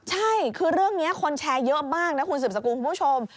ใช่คือเรื่องนี้คนแชร์เยอะมากนะคุณสืบสกุลคุณผู้ชม